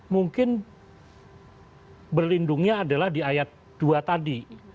mungkin berlindungnya adalah di ayat dua tadi